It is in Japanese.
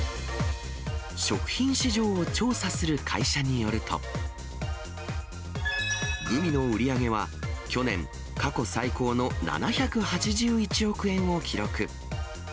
食品市場を調査する会社によると、グミの売り上げは去年、過去最高の７８１億円を記録。